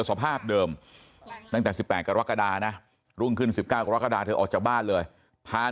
สภาพเดิมตั้งแต่๑๘กรกฎานะรุ่งขึ้น๑๙กรกฎาเธอออกจากบ้านเลยผ่าน